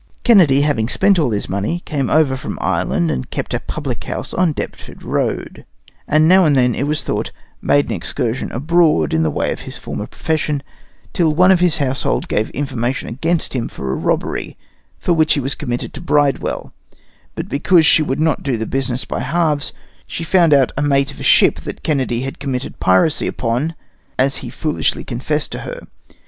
Kennedy having spent all his money, came over from Ireland and kept a public house on Deptford Road, and now and then it was thought, made an excursion abroad in the way of his former profession, till one of his household gave information against him for a robbery, for which he was committed to Bridewell; but because she would not do the business by halves she found out a mate of a ship that Kennedy had committed piracy upon, as he foolishly confessed to her.